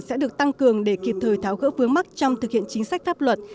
sẽ được tăng cường để kịp thời tháo gỡ vướng mắt trong thực hiện chính sách pháp luật